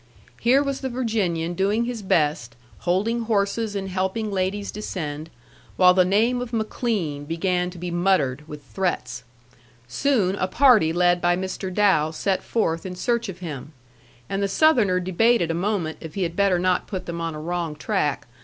Here was the Virginian doing his best, holding horses and helping ladies descend, while the name of McLean began to be muttered with threats. Soon a party led by Mr. Dow set forth in search of him, and the Southerner debated a moment if he had better not put them on a wrong track.